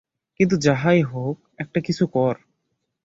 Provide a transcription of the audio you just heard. কিন্তু যাহাই হউক একটা কিছু কর।